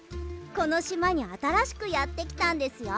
このしまにあたらしくやってきたんですよ。